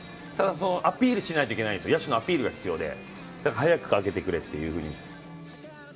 ただ、アピールしないといけないです、野手のアピールが必要で早く上げてくれっていうふうに。